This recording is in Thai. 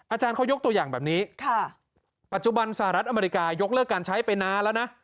อาจารย์เขายกตัวอย่างแบบนี้ปัจจุบันสหรัฐอเมริกายกเลิกการใช้ไปนานแล้วนะ